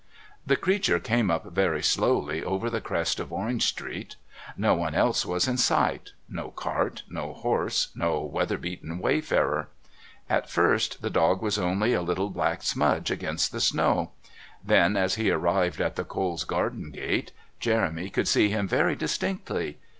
The creature came up very slowly over the crest of Orange Street. No one else was in sight, no cart, no horse, no weather beaten wayfarer. At first the dog was only a little black smudge against the snow; then, as he arrived at the Coles' garden gate, Jeremy could see him very distinctly.